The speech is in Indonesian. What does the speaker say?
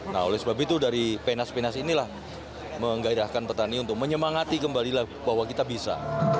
nah oleh sebab itu dari penas penas inilah menggairahkan petani untuk menyemangati kembalilah bahwa kita bisa